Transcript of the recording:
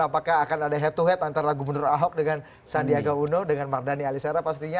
apakah akan ada head to head antara gubernur ahok dengan sandiaga uno dengan mardhani alisara pastinya